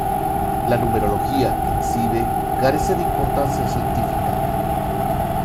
La numerología que exhibe carece de importancia científica.